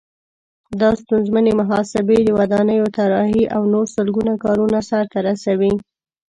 دا ستونزمنې محاسبې، د ودانیو طراحي او نور سلګونه کارونه سرته رسوي.